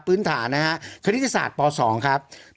พื้นฐานนะฮะคณิตศาสตร์ป๒ครับ